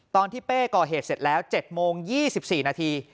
เป้ก่อเหตุเสร็จแล้ว๗โมง๒๔นาที